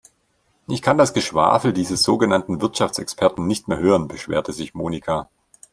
Ich kann das Geschwafel dieses sogenannten Wirtschaftsexperten nicht mehr hören, beschwerte sich Monika.